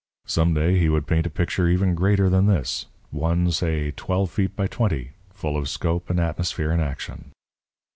Some day he would paint a picture even greater than this one, say, twelve feet by twenty, full of scope and atmosphere and action.